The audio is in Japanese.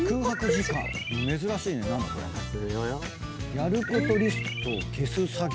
やることリストを消す作業。